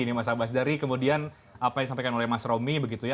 ini mas abbas dari kemudian apa yang disampaikan oleh mas romi begitu ya